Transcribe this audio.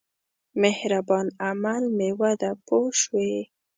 مهربان عمل مېوه ده پوه شوې!.